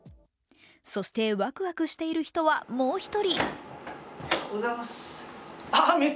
そして、ワクワクしている人は、もう１人。